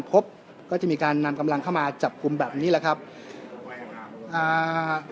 พบก็จะมีการนำกำลังเข้ามาจับกลุ่มแบบนี้แหละครับอ่า